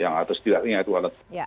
yang harus dilihatnya dua alat bukti